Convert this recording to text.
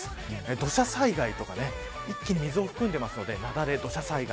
土砂災害とか一気に水を含んでますので雪崩、土砂災害